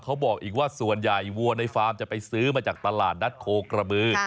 เขาบอกอีกว่าส่วนใหญ่วัวในฟาร์มจะไปซื้อมาจากตลาดนัดโคกระบือ